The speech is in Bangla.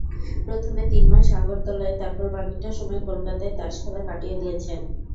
প্রথমে তিন মাস আগরতলায়, তারপর বাকিটা সময় কলকাতায় তাস খেলে কাটিয়ে দিয়েছেন।